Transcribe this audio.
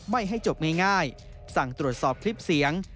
ไม่ให้จบง่ายสั่งตรวจสอบคลิปเสียง